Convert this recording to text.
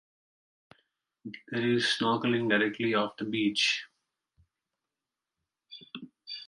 There is snorkelling directly off the beach.